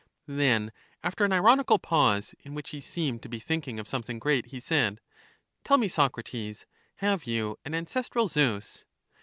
Then, after an ironical pause, in which he seemed to be thinking of something great, he said: Tell me, Socrates, have you an ancestral Zeus?